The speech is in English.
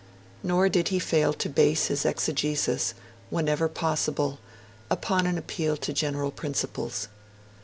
Nor did he fail to base his exegesis, whenever possible, upon an appeal to general principles.